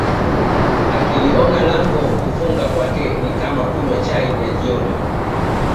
akiliona lango kufunga kwake ni kama kunywa chai ya jioni